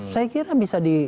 saya kira bisa di